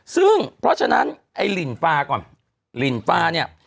ซึ่งเพราะฉะนั้นไอ้ลินฟาก่อนหลินฟาเนี่ย